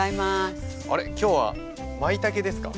あれ今日はまいたけですか？